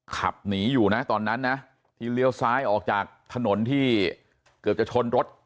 ขับหนีอยู่นะตอนนั้นนะที่เลี้ยวซ้ายออกจากถนนที่เกือบจะชนรถ